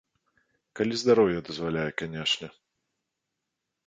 Калі здароўе дазваляе, канешне.